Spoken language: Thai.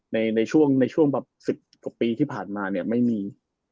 ในช่วง๑๐กว่าปีที่ผ่านมาเนี่ยไม่มี